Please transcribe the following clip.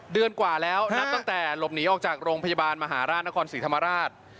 เดือนกว่าแล้วนับตั้งแต่หลบหนีออกจากโรงพยาบาลมหาราชนครศรีธรรมราช